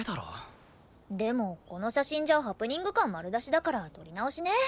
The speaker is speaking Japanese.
でもこの写真じゃハプニング感丸出しだから撮り直しね。